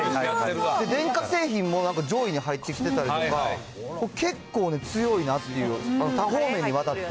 電化製品も、なんか上位に入ってきてたりとか、結構ね、強いなっていう、多方面にわたって。